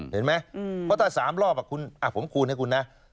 เห็นไหมเพราะถ้า๓รอบคุณผมคูณให้คุณนะ